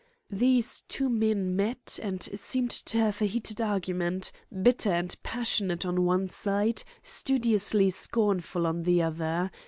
"The two men met and seemed to have a heated argument, bitter and passionate on one side, studiously scornful on the other.